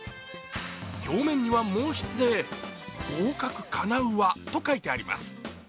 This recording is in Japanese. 表面には毛筆で「合格かなうわ」と書いてあります。